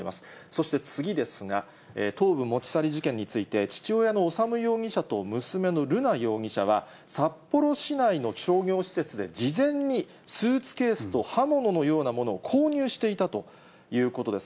そして次ですが、頭部持ち去り事件について、父親の修容疑者と娘の瑠奈容疑者は、札幌市内の商業施設で事前にスーツケースと刃物のようなものを購入していたということです。